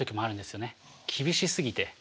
厳しすぎて。